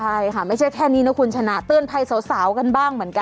ใช่ค่ะไม่ใช่แค่นี้นะคุณชนะเตือนภัยสาวกันบ้างเหมือนกัน